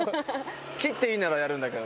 斬っていいならやるんだけどな。